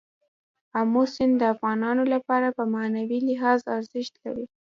آمو سیند د افغانانو لپاره په معنوي لحاظ ارزښت لري.